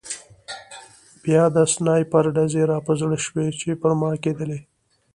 بیا د سنایپر ډزې را په زړه شوې چې پر ما کېدلې